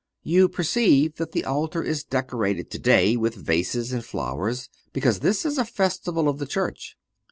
(431) You perceive that the altar is decorated today with vases and flowers because this is a festival of the Church.